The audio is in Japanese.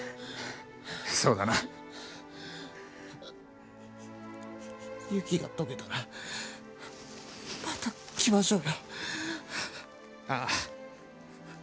そうだな雪がとけたらまた来ましょうよああ